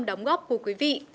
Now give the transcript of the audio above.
đóng góp của quý vị